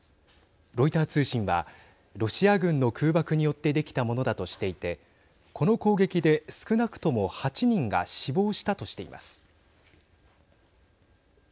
ロイター通信はロシア軍の空爆によってできたものだとしていてこの攻撃で少なくとも８人が死亡したとしています。